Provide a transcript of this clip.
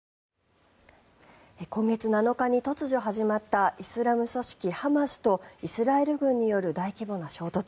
今月７日に突如始まったイスラム組織ハマスとイスラエル軍による大規模な衝突。